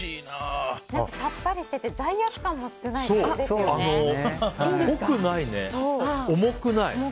さっぱりしてて罪悪感も少ないんですよね。